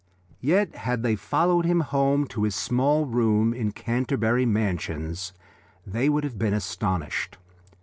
Yet had they followed him home to his small room in Canterbury mansions they would have been astonished.